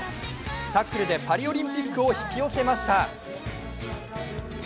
タックルでパリオリンピックを引き寄せました。